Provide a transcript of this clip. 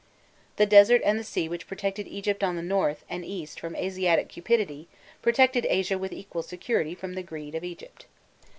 The desert and the sea which protected Egypt on the north and east from Asiatic cupidity, protected Asia with equal security from the greed of Egypt.